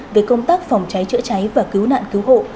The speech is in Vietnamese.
về công tác phòng cháy chữa cháy và cứu nạn cứu hộ